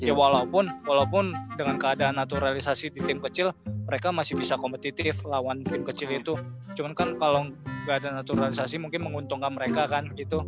ya walaupun dengan keadaan naturalisasi di tim kecil mereka masih bisa kompetitif lawan tim kecil itu cuma kan kalau gak ada naturalisasi mungkin menguntungkan mereka kan gitu